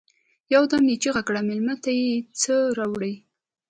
يودم يې چيغه کړه: مېلمه ته يو څه راوړئ!